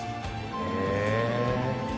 へえ。